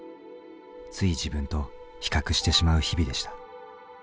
つい自分と比較してしまう日々でした。